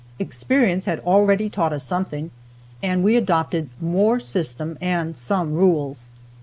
Experience had already taught us something, and we adopted more system and some rules.